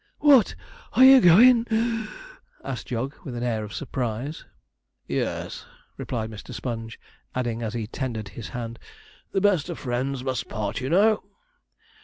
'What, are you goin'?' (puff) asked Jog, with an air of surprise. 'Yes,' replied Mr. Sponge; adding, as he tendered his hand, 'the best friends must part, you know.'